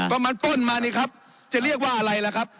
ก็มันป้นมานี่ครับจะเรียกว่าอะไรล่ะครับ